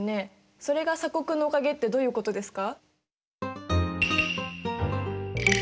それが鎖国のおかげってどういうことですか？